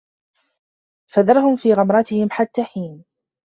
فذرهم في غمرتهم حتى حين